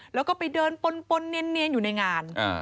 แล้วก็ไปเดินปนเนียนอยู่ในงาน